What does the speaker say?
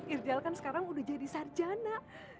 irjal kan sekarang udah jadi sarjana